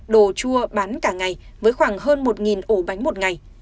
đồ chua bán cả ngày với khoảng hơn một ổ bánh một ngày